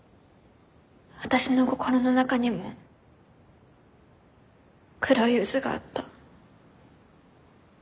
私の心の中にも黒い渦があった。